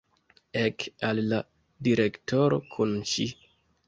Ek al la direktoro kun ŝi!